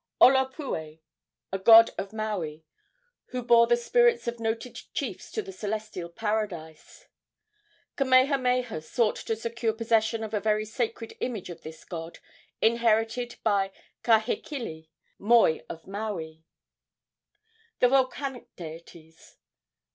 Olopue, a god of Maui, who bore the spirits of noted chiefs to the celestial paradise. Kamehameha sought to secure possession of a very sacred image of this god, inherited by Kahekili, moi of Maui. The Volcanic Deities.